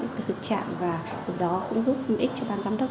cái thực trạng và từ đó cũng giúp nguyên ích cho ban giám đốc